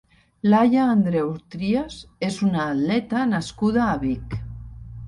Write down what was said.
Laia Andreu Trias és una atleta nascuda a Vic.